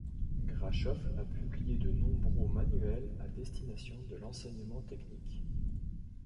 Grashof a publié de nombreaux manuels à destination de l'enseignement technique.